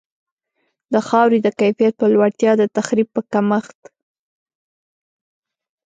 د خاورې د کیفیت په لوړتیا، د تخریب په کمښت.